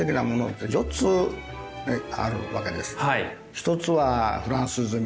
１つはフランス積み。